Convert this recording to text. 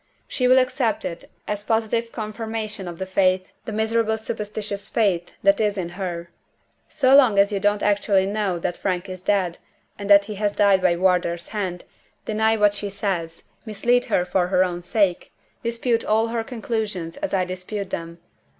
She will accept it as positive confirmation of the faith, the miserable superstitious faith, that is in her. So long as you don't actually know that Frank is dead, and that he has died by Wardour's hand, deny what she says mislead her for her own sake dispute all her conclusions as I dispute them.